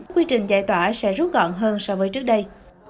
quy trình giải tỏa sẽ rút gọn hơn so với trước đây